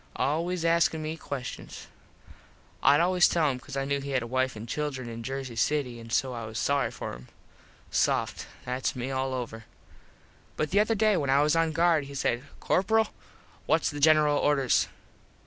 Always askin me questions. Id always tell him cause I knew he had a wife and children in Jersey City an so I was sorry for them. Soft. Thats me all over. But the other day when I was on guard he says, "Corperal, whats the General orders?"